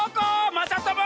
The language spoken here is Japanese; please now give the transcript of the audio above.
まさとも！